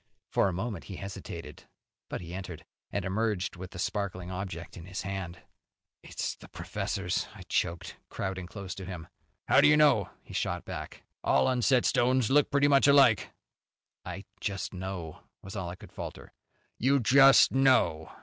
For a moment he hesitated, but he entered, and emerged with the sparkling object in his hand. "It's the professor's," I choked, crowding close to him. "How'd you know?" he shot back. "All unset stones look pretty much alike." "I just know," was all I could falter. "You 'just know'."